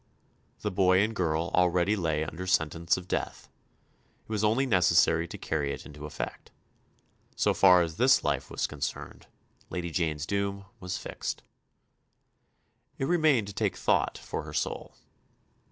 The boy and girl already lay under sentence of death; it was only necessary to carry it into effect. So far as this life was concerned Lady Jane's doom was fixed. It remained to take thought for her soul.